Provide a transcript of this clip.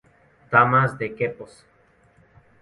Damas de Quepos.